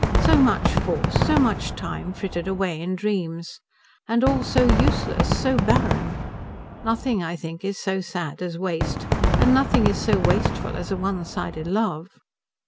So much force, so much time frittered away in dreams. And all so useless, so barren. Nothing I think is so sad as waste, and nothing is so wasteful as a one sided love."